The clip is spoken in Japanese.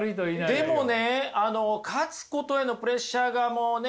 でもね勝つことへのプレッシャーがもうね